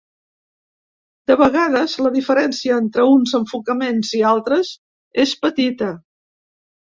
De vegades, la diferència entre uns enfocaments i altres és petita.